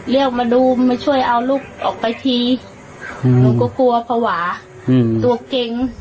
เรียกมาดูมาช่วยเอาลูกออกไปทีหนูก็กลัวภาวะตัวเก่ง